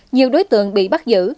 nhiều đối tượng bị bắt giữ